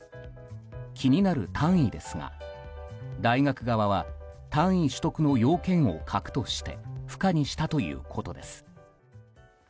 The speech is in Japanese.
気になる単位ですが大学側は単位取得の要件を欠くとして不可にしたということです。